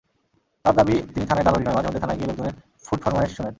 তাঁর দাবি, তিনি থানায় দালালি নয়, মাঝেমধ্যে থানায় গিয়ে লোকজনের ফুটফরমায়েশ শোনেন।